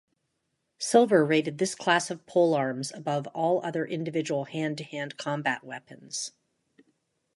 Silver rated this class of polearms above all other individual hand-to-hand combat weapons.